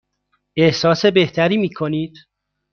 احساس بهتری می کنید؟